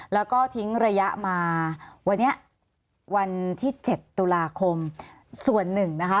แล้วก็ทิ้งระยะมาวันนี้วันที่๗ตุลาคมส่วนหนึ่งนะคะ